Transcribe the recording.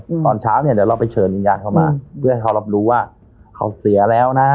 ตอนเช้าเนี้ยเดี๋ยวเราไปเชิญวิญญาณเข้ามาเพื่อให้เขารับรู้ว่าเขาเสียแล้วนะ